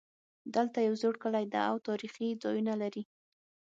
دلته یو زوړ کلی ده او تاریخي ځایونه لري